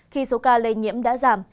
khi số ca lây nhiễm đã giảm